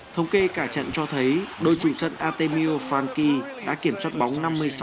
thông kê cả trận cho thấy đội trùng sân artemio franchi đã kiểm soát bóng năm mươi sáu